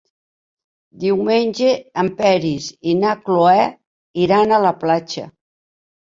Diumenge en Peris i na Cloè iran a la platja.